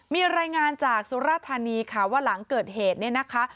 มีรายงานจากสุรธานีค่ะว่าหลังเกิดเหตุเนี่ยนะคะ